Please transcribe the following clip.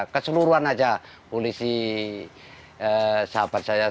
keseluruhan aja polisi sahabat saya